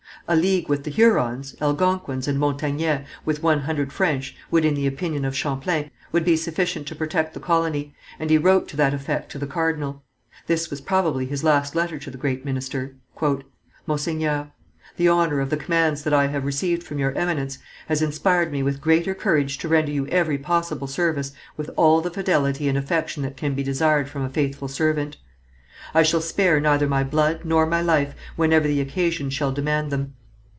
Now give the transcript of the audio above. A league with the Hurons, Algonquins and Montagnais, with one hundred French, would, in the opinion of Champlain, be sufficient to protect the colony, and he wrote to that effect to the cardinal. This was probably his last letter to the great minister: "Monseigneur: The honour of the commands that I have received from your Eminence has inspired me with greater courage to render you every possible service with all the fidelity and affection that can be desired from a faithful servant. I shall spare neither my blood nor my life whenever the occasion shall demand them.